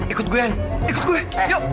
ikut gue ikut gue yuk